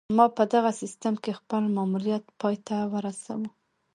ما په دغه سیستم کې خپل ماموریت پای ته ورسوو